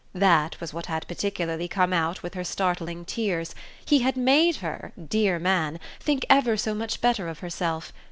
That was what had particularly come out with her startling tears: he had made her, dear man, think ever so much better of herself.